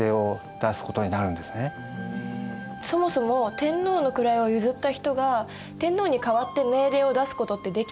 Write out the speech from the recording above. そもそも天皇の位を譲った人が天皇に代わって命令を出すことってできたんですか？